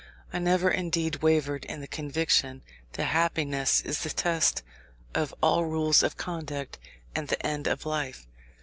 I never, indeed, wavered in the conviction that happiness is the test of all rules of conduct, and the end of life.